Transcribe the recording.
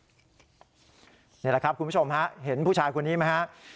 นี่แหละครับคุณผู้ชมฮะเห็นผู้ชายคนนี้ไหมฮะ